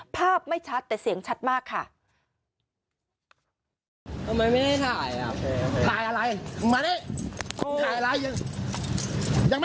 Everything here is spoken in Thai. ไม่ชัดแต่เสียงชัดมากค่ะ